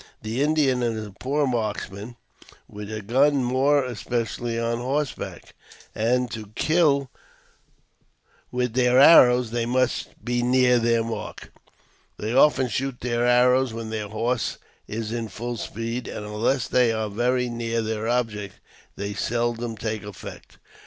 The Indian is a poor marks man with a gun, more especially on horseback, and, to kill with their arrows, they must be near their mark. They often shoot their arrows when their horse is in full speed, and, unless they are very near their object, they seldom take effect